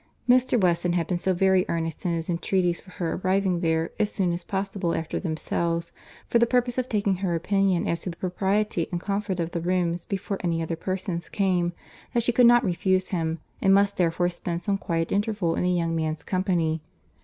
Mr. Weston had been so very earnest in his entreaties for her arriving there as soon as possible after themselves, for the purpose of taking her opinion as to the propriety and comfort of the rooms before any other persons came, that she could not refuse him, and must therefore spend some quiet interval in the young man's company.